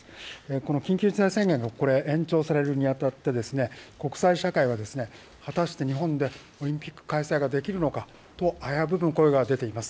この緊急事態宣言が延長されるにあたって、国際社会はですね、果たして日本でオリンピック開催ができるのかと危ぶむ声が出ています。